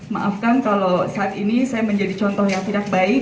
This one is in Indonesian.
maafkan kalau saat ini saya menjadi contoh yang tidak baik